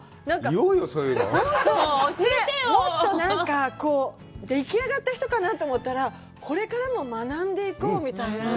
なんか本当もっとでき上がった人かなと思ったら、これからも学んでいこうみたいな。